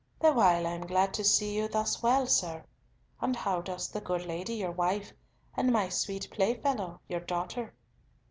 "The while I am glad to see you thus well, sir. And how does the good lady, your wife, and my sweet playfellow, your daughter?"